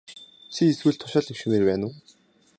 Чи эсвэл тушаал дэвшмээр байна уу?